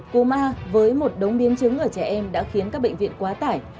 cúm a với một đống biến chứng ở trẻ em đã khiến các bệnh viện quá tải